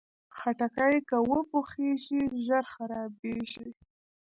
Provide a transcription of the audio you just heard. خټکی که وپوخېږي، ژر خرابېږي.